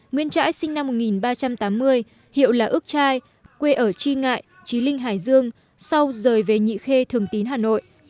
nguyễn trãi sinh năm một nghìn ba trăm tám mươi hiệu là ước trai quê ở tri ngại trí linh hải dương sau rời về nhị khê thường tín hà nội